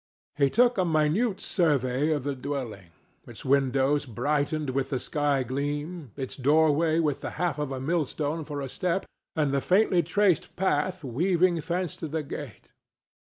He took a minute survey of the dwelling—its windows brightened with the sky gleam, its doorway with the half of a millstone for a step, and the faintly traced path waving thence to the gate.